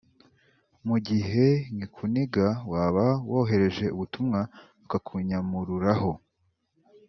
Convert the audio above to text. mu gihe nkikuniga waba wohereje ubutumwa bakakunyamururaho